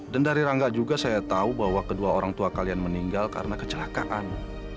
dan dari rangga juga saya tahu bahwa kedua orang tua kalian meninggal karena kecelakaan